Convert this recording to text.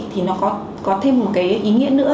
thì nó có thêm một cái ý nghĩa nữa